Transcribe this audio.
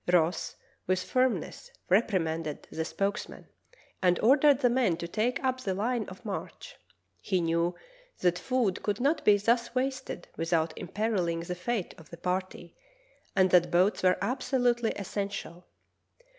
Ross with firmness reprimanded the spokesman and ordered the men to take up the line of march. He knew that food could not be thus wasted without imperilling the fate of the party, and that boats were absolutely essential.